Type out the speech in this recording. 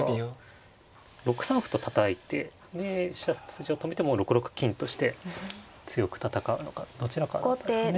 ６三歩とたたいてで飛車筋を止めてもう６六金として強く戦うのかどちらかだったですかね。